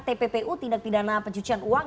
tppu tindak tidak naham pencucian uang